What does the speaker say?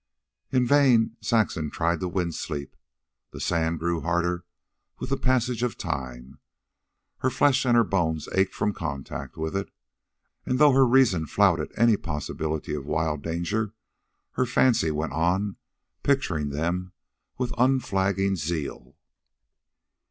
In vain Saxon tried to win sleep. The sand grew harder with the passage of time. Her flesh and her bones ached from contact with it. And, though her reason flouted any possibility of wild dangers, her fancy went on picturing them with unflagging zeal.